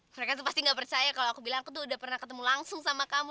mereka tuh pasti gak percaya kalau aku bilang aku tuh udah pernah ketemu langsung sama kamu